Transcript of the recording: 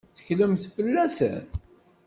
Tetteklemt fell-asen?